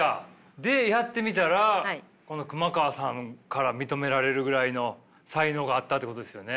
でやってみたら熊川さんから認められるぐらいの才能があったってことですよね。